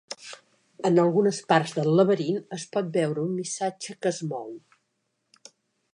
En algunes parts del laberint, es pot veure un missatge que es mou.